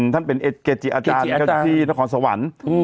ท่านเป็นเกจิอาจารย์ที่นครสวรรค์